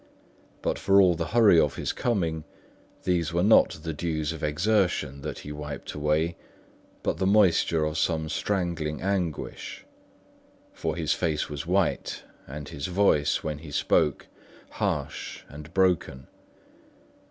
But for all the hurry of his coming, these were not the dews of exertion that he wiped away, but the moisture of some strangling anguish; for his face was white and his voice, when he spoke, harsh and broken.